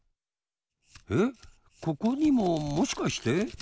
えっここにももしかして？